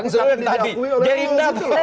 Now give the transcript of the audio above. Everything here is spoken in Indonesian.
yang selalu diakui oleh lu gitu loh